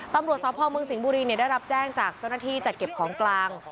ตำรวจสพเมืองสิงห์บุรีได้รับแจ้งจากเจ้าหน้าที่จัดเก็บของกลาง